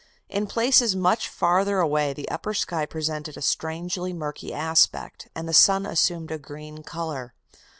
In places much farther away the upper sky presented a strangely murky aspect, and the sun assumed a green color.